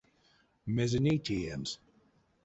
Мезе ней теемс?